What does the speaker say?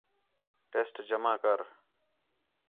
ٹیسٹ جمع کر